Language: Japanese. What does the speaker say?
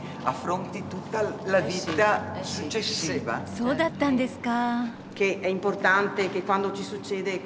そうだったんですか。